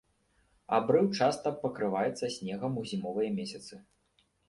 Абрыў часта пакрываецца снегам ў зімовыя месяцы.